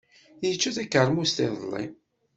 Yečča takeṛmust iḍelli.